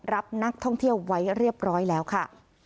รับนักท่องเที่ยวไว้เรียบร้อยแล้วค่ะ